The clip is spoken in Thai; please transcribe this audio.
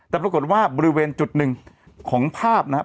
แต่ปรากฏว่าบริเวณจุดหนึ่งของภาพนะครับ